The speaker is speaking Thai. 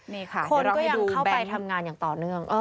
นี่ค่ะจะลองให้ดูแบงค์คนก็ยังเข้าไปทำงานอย่างต่อเนื่อง